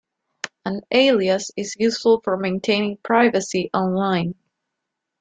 An alias is useful for maintaining privacy online.